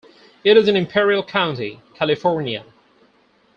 It is in Imperial County, California.